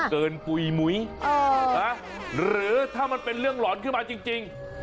ปุ๋ยหมุยหรือถ้ามันเป็นเรื่องหลอนขึ้นมาจริง